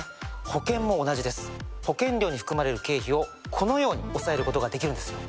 保険料に含まれる経費をこのように抑えることができるんですよ。